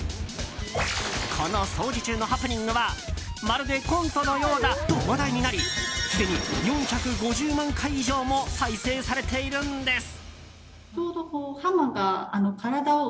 この掃除中のハプニングはまるでコントのようだと話題になりすでに４５０万回以上も再生されているんです。